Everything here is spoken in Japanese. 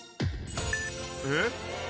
えっ？